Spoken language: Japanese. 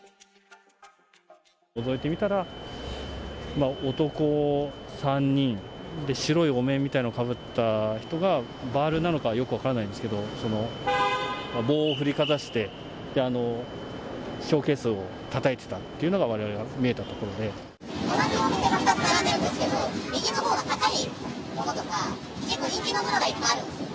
のぞいてみたら、男３人、白いお面みたいなのをかぶった人が、バールなのかよく分からないんですけど、棒を振りかざしてショーケースをたたいてたっていうのが、われわ同じお店が２つ並んでるんですけど、右のほうが高いものとか結構人気のものがいっぱいあるんですよ。